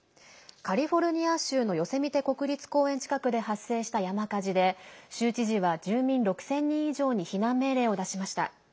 カリフォルニア州のヨセミテ国立公園近くで発生した山火事で州知事は住民６０００人以上に避難命令を出しました。